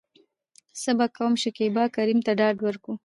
څه به کوم.شکيبا کريم ته ډاډ ورکو .